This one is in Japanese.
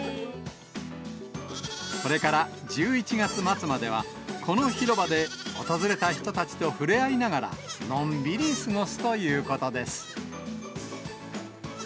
これから１１月末までは、この広場で訪れた人たちと触れ合いながら、のんびり過ごすということです。